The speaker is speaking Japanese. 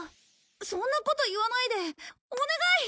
そんなこと言わないでお願い！